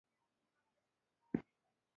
هغه راګونات راو ته تهدیدونکی لیک واستاوه.